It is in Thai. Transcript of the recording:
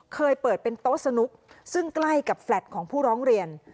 เคยเปิดเป็นโต๊ะสนุกซึ่งใกล้กับแฟลต์ของผู้ร้องเรียน